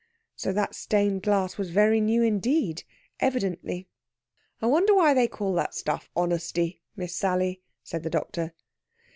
So that stained glass was very new indeed, evidently. "I wonder why they call that stuff 'honesty,' Miss Sally?" said the doctor.